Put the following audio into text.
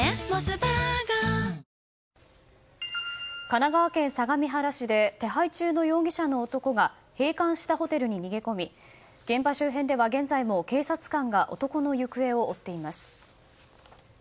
神奈川県相模原市で手配中の容疑者の男が閉館したホテルに逃げ込み現場周辺では現在も警察官が男の行方を追っています。